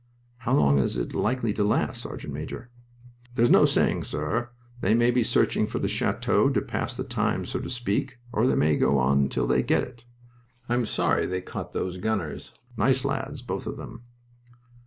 "How long is this likely to last, Sergeant major" "There's no saying, sir. They may be searching for the chateau to pass the time, so to speak, or they may go on till they get it. I'm sorry they caught those gunners. Nice lads, both of them."